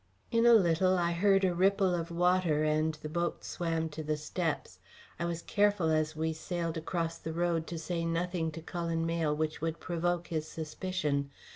In a little I heard a ripple of water, and the boat swam to the steps. I was careful as we sailed across the road to say nothing to Cullen Mayle which would provoke his suspicion.